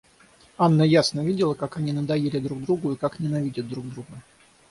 Анна ясно видела, как они надоели друг другу и как ненавидят друг друга.